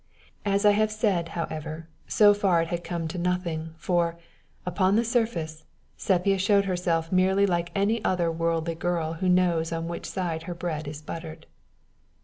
As I have said, however, so far it had come to nothing, for, upon the surface, Sepia showed herself merely like any other worldly girl who knows "on which side her bread is buttered."